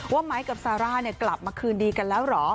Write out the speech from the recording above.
ไม้กับซาร่ากลับมาคืนดีกันแล้วเหรอ